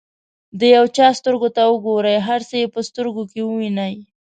د یو چا سترګو ته وګورئ هر څه یې په سترګو کې ووینئ.